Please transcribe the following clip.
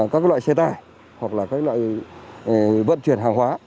các loại xe tải hoặc là các loại vận chuyển hàng hóa